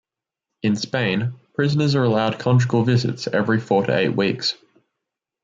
In Spain, prisoners are allowed conjugal visits every four to eight weeks.